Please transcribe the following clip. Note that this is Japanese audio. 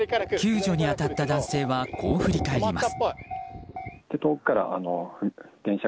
救助に当たった男性はこう振り返ります。